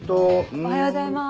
おはようございます。